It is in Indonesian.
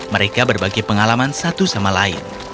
mereka berbagi pengalaman satu sama lain